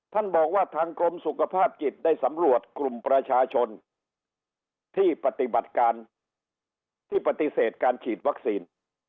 ท่านบอกว่าทางกรมสุขภาพจิตได้สำรวจกลุ่มประชาชนที่ปฏิบัติการที่ปฏิเสธการฉีดวัคซีน